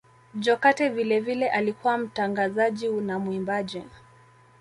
Jokate vilevile alikuwa mtangazaji na mwimbaji